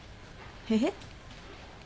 えっ？